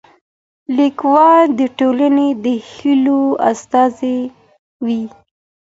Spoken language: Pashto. ليکوال د ټولني د هيلو استازی وي.